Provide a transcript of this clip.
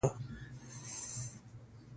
پخواني بین النهرین روڼ اندو قانون سپیڅلی وباله.